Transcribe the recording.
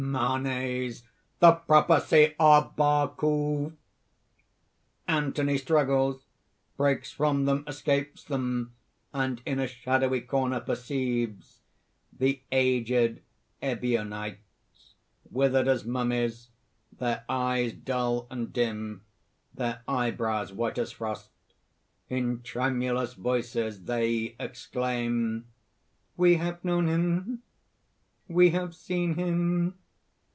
MANES. "The Prophecy of Barkouf!" (Anthony struggles, breaks from them, escapes them; and in a shadowy corner perceives ) THE AGED EBIONITES (withered as mummies, their eyes dull and dim, their eyebrows white as frost. In tremulous voices they exclaim: ) "We have known him, we have seen him!